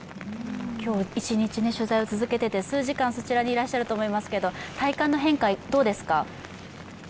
今日一日取材を続けてて数時間、そちらにいらっしゃると思いますけど体感の変化どうですか？